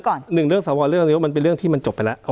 หนึ่งเรื่องสวเรื่องนี้มันเป็นเรื่องที่มันจบไปแล้ว